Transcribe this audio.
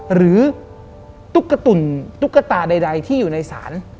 ตุ๊กตุ่นตุ๊กตาใดที่อยู่ในศาล